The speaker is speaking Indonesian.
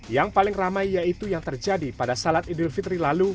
yang paling ramai yaitu yang terjadi pada salat idul fitri lalu